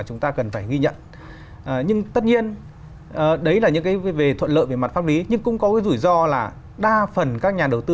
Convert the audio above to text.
có báo cáo tài chính của kỳ gần nhất